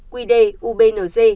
quy đề ubnd